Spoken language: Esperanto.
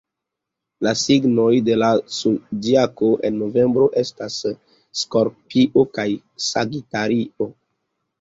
La signoj de la Zodiako en novembro estas Skorpio kaj Sagitario.